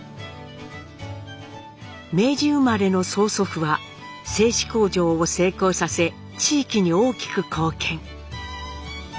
明治生まれの曽祖父は製糸工場を成功させ地域に大きく貢献。